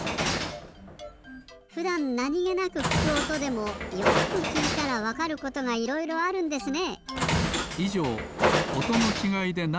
ふだんなにげなくきくおとでもよくきいたらわかることがいろいろあるんですね。